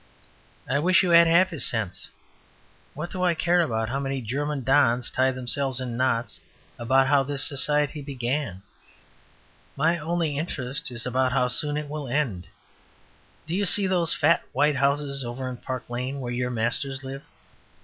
I wish you had half his sense. What do I care how many German dons tie themselves in knots about how this society began? My only interest is about how soon it will end. Do you see those fat white houses over in Park lane, where your masters live?"